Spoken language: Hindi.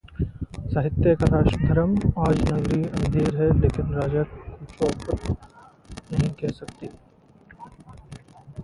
साहित्य का राष्ट्रधर्म: 'आज नगरी अंधेर है, लेकिन राजा को चौपट नहीं कह सकते'